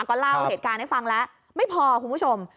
ก็เล่าเหตุการณ์ให้ฟังแล้วไม่พอคุณผู้ชม